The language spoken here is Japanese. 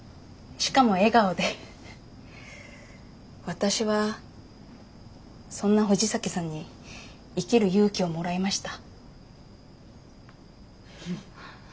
私はそんな藤崎さんに生きる勇気をもらいました。